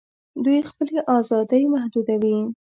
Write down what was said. دوی خپلي آزادۍ محدودوي